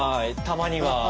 たまには。